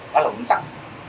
đó là quân tập